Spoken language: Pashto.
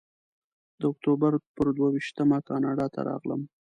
د اکتوبر پر دوه ویشتمه کاناډا ته راغلم.